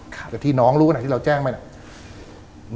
แต่ที่น้องรู้นะที่เราแจ้งไหมเนี่ย